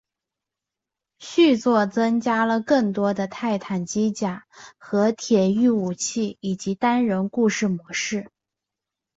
续作增加了更多的泰坦机甲和铁驭武器以及单人故事模式。